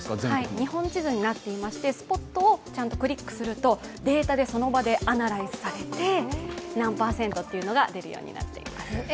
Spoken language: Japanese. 日本地図になっていまして、スポットをクリックするとデータでアナライズされて、何パーセントというのが出るようになっています。